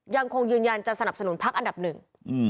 ยังคงยืนยันจะสนับสนุนพักอันดับหนึ่ง